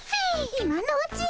今のうちに。